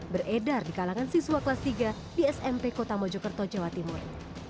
beredar di kalangan siswa kelas tiga di smp kota mojokerto jawa timur